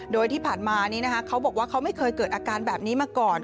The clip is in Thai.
โดยที่ผ่านมานี้นะคะเขาบอกว่าเขาไม่เคยเกิดอาการแบบนี้มาก่อน